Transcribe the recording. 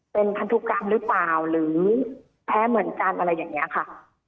เป็นพันธุกรรมหรือเปล่าหรือแพ้เหมือนกันอะไรอย่างนี้ค่ะ